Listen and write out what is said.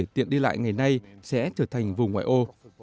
điều kiện đi lại ngày nay sẽ trở thành vùng ngoại ô